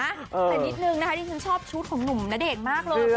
แต่นิดนึงนะคะที่ฉันชอบชุดของหนุ่มนเด็กมากเลยคุณผู้ชม